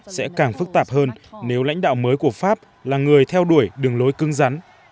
sẽ càng phức tạp hơn nếu lãnh đạo mới của pháp là người theo đuổi đường lối cưng rắn